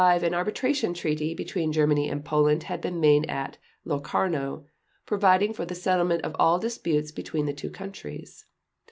As long ago as the year 1925 an Arbitration Treaty between Germany and Poland had been made at Locarno, providing for the settlement of all disputes between the two countries.